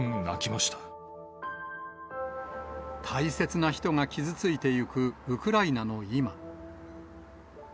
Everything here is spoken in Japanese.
大切な人が傷ついていくウクライナの今。